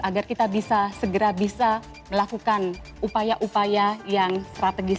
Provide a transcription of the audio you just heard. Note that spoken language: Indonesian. agar kita bisa segera bisa melakukan upaya upaya yang strategis